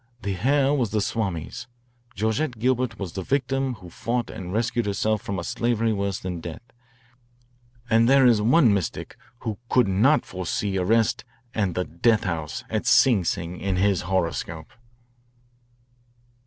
The hair was the Swami's. Georgette Gilbert was one victim who fought and rescued herself from a slavery worse than death. And there is one mystic who could not foresee arrest and the death house at Sing Sing in his horoscope."